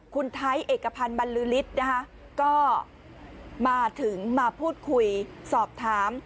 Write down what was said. คุณไทยเอกพันธ์บรรลือฤทธิ์นะคะก็มาถึงมาพูดคุยสอบถาม